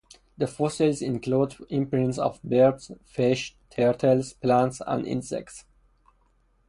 The fossils include imprints of birds, fish, turtles, plants and insects.